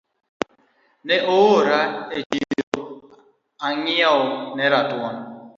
Ne oora e chiro ing'iew na ratuon